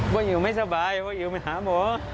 อิ๋วไม่สบายว่าอิ๋วไปหาหมอ